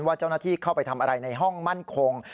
เจ้าหน้าที่เข้าไปทำอะไรในห้องมั่นคง